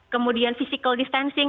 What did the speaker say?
kemudian physical distancing